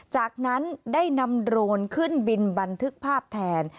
จากนั้นได้นำโดรนขึ้นบินบันทึกภาพแทน